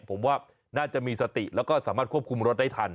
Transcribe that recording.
ผมว่าน่าจะมีสติแล้วก็สามารถควบคุมรถได้ทัน